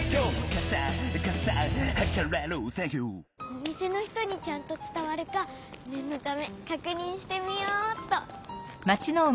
おみせの人にちゃんとつたわるかねんのためかくにんしてみようっと。